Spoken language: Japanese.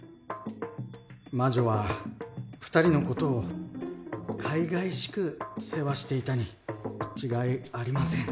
魔女は２人の事をかいがいしく世話していたに違いありません。